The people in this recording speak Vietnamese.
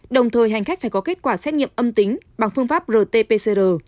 đồng thời hành khách phải có kết quả xét nghiệm âm tính bằng phương pháp rt pcr